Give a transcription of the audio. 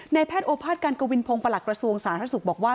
ในแพทย์โอภาษการกวินพงศ์ประหลักส่วนสารรสุขบอกว่า